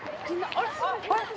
あれ？